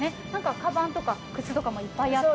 かばんとか靴とかもいっぱいあって。